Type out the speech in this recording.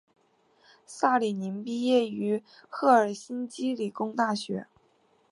萨里宁毕业于赫尔辛基理工大学。